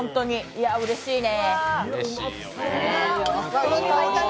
いや、うれしいね。